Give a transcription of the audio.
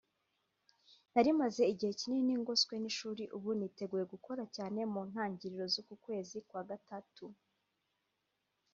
narimaze igihe kinini ngoswe n’ishuri ubu niteguye gukora cyane mu ntangiriro z’uku kwezi kwagatatu”